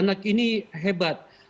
anak ini hebat